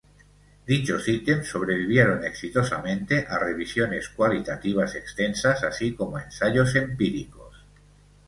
Dichos ítems sobrevivieron exitosamente a revisiones cualitativas extensas así como a ensayos empíricos.